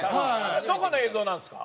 どこの映像なんですか？